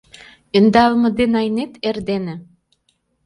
Õндалме ден айнет эрдене?